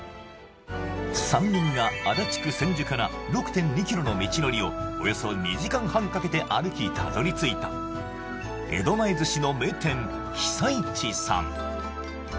３人が足立区千住から６．２ｋｍの道のりをおよそ２時間半かけて歩きたどり着いた江戸前寿司の名店久いちさん